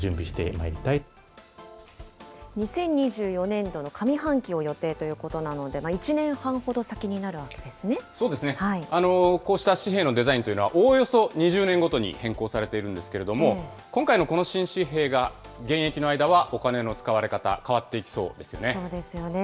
２０２４年度の上半期を予定ということなので、１年半ほど先そうですね、こうした紙幣のデザインというのは、おおよそ２０年ごとに変更されているんですけれども、今回のこの新紙幣が現役の間はお金の使われ方、変わっそうですよね。